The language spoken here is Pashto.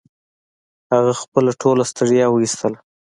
هغه خپله ټوله ستړيا و ایستله